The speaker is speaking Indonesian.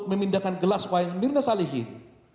memindahkan gelas wayang mirna salihin